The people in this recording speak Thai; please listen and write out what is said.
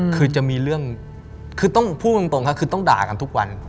คือจะมีเรื่องคือต้องพูดตรงค่ะคือต้องด่ากันทุกวัน